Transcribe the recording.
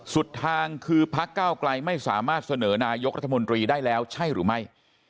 สุดทางคือพักเก้าไกลไม่สามารถเสนอนายกรัฐมนตรีได้แล้วใช่หรือไม่